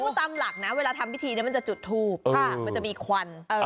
ไปเลยทำพิธีจะจุดถูบมันจะมีควัน